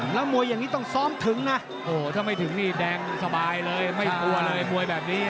แล้วมวยอย่างนี้ต้องซ้อมถึงนะโอ้โหถ้าไม่ถึงนี่แดงสบายเลยไม่กลัวเลยมวยแบบนี้